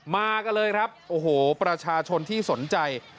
มากันเลยครับโอ้โหประชาชนที่สนใจ